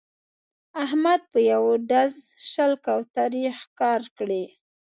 احمد په یوه ډز شل کوترې ښکار کړې